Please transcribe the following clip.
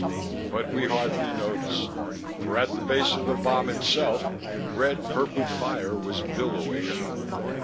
But we hardly noticed. For at the base of the bomb itself red purple fire was billowing out.